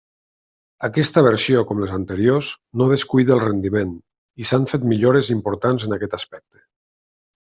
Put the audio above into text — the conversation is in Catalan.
Aquesta versió, com les anteriors, no descuida el rendiment, i s'han fet millores importants en aquest aspecte.